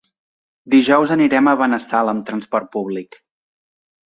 Dijous anirem a Benassal amb transport públic.